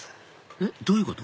えっどういうこと？